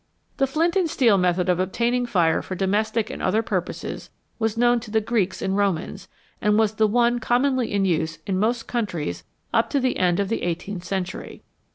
The flint and steel method of obtaining fire for domestic and other purposes was known to the Greeks and Romans, and was the one commonly in use in most countries up to the end of the eighteenth century.